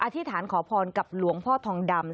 อธิษฐานขอพรกับหลวงพ่อทองดำ